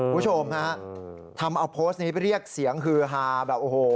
ผู้ชมทำอัพโพสต์นี้ไปเรียกเสียงฮือฮาแบบโอ้โห